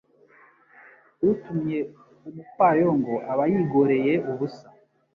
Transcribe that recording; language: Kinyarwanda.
Utumye umupfayongo aba yigoreye ubusa